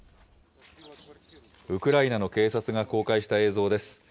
ウクライナの警察が公開した映像です。